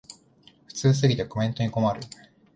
普通すぎてコメントに困る